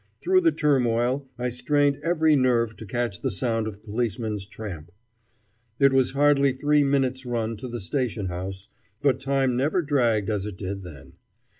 Through the turmoil I strained every nerve to catch the sound of policemen's tramp. It was hardly three minutes' run to the station house, but time never dragged as it did then.